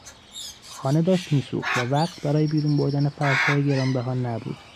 خانه داشت میسوخت و وقت برای بیرون بردن فرشهای گرانبها نبود.